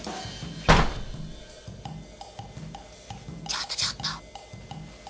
ちょっとちょっと。